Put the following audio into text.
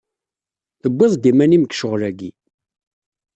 Tewwiḍ-d iman-im deg ccɣel-agi.